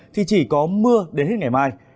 thì chỉ có mưa đến hết ngày mai